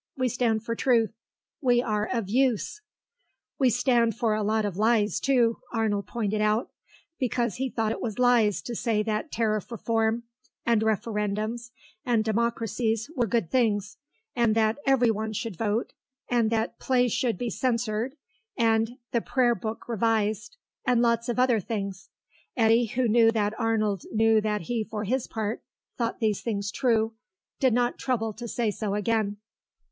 We stand for Truth. We are of Use." "We stand for a lot of lies, too," Arnold pointed out, because he thought it was lies to say that Tariff Reform and Referendums and Democracies were good things, and that Everyone should Vote, and that Plays should be Censored, and the Prayer Book Revised, and lots of other things. Eddy, who knew that Arnold knew that he for his part thought these things true, did not trouble to say so again.